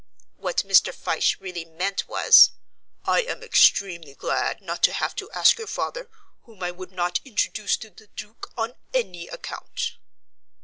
What Mr. Fyshe really meant was, "I am extremely glad not to have to ask your father, whom I would not introduce to the Duke on any account."